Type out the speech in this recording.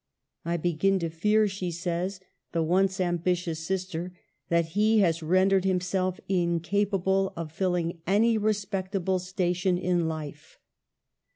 " I begin to fear," she says, the once ambitious sister, " that he has rendered himself incapable of filling any respectable station in life."